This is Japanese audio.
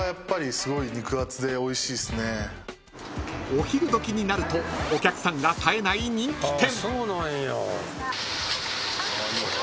［お昼時になるとお客さんが絶えない人気店］